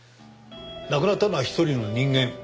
亡くなったのは一人の人間。